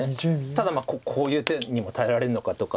ただこういう手にも耐えられるのかとか。